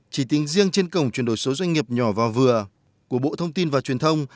chỉ tính riêng trên cổng chuyển đổi số doanh nghiệp nhỏ và vừa của bộ thông tin và truyền thông